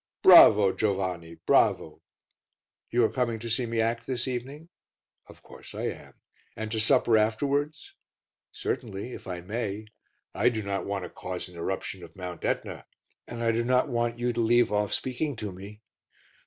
"Bravo, Giovanni, bravo!" "You are coming to see me act this evening?" "Of course I am." "And to supper afterwards?" "Certainly, if I may. I do not want to cause an eruption of Mount Etna, and I do not want you to leave off speaking to me."